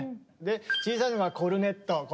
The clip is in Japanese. で小さいのがコルネット。